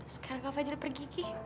sekarang kak fadil pergi